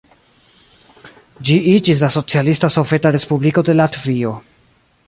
Ĝi iĝis la Socialista Soveta Respubliko de Latvio.